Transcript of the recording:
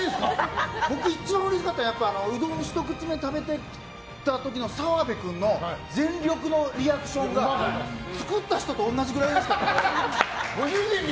僕、一番うれしかったのはうどん、ひと口目食べてた時の澤部君の全力のリアクションが作った人と同じぐらいうれしかった。